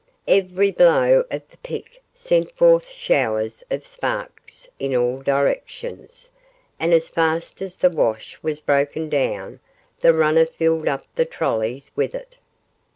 Every blow of the pick sent forth showers of sparks in all directions, and as fast as the wash was broken down the runner filled up the trollies with it.